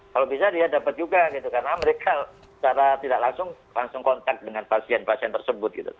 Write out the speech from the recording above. kalau bisa dia dapat juga gitu karena mereka secara tidak langsung langsung kontak dengan pasien pasien tersebut gitu